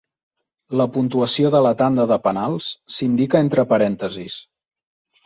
La puntuació de la tanda de penals s'indica entre parèntesis.